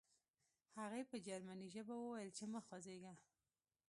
هغې په جرمني ژبه وویل چې مه خوځېږه